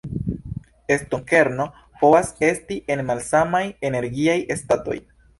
Atomkerno povas esti en malsamaj energiaj statoj.